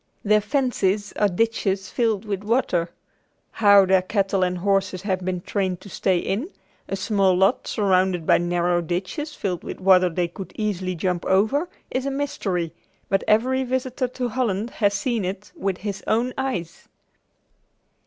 Their fences are ditches filled with water. How their cattle and horses have been trained to stay in, a small lot surrounded by narrow ditches filled with water which they could easily jump over, is a mystery, but every visitor to Holland has seen it with his own eyes.